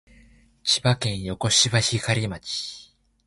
千葉県横芝光町